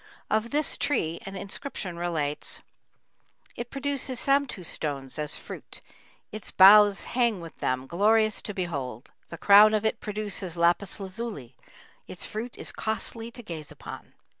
Of this tree an inscription relates: It produces samtu stones as fruit; Its boughs hang with them, glorious to behold; The crown of it produces lapis lazuli; Its fruit is costly to gaze upon.